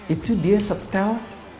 itu dia setel